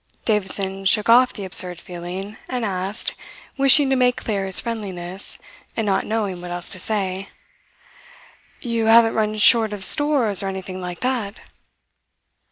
Davidson shook off the absurd feeling, and asked, wishing to make clear his friendliness, and not knowing what else to say: "You haven't run short of stores or anything like that?"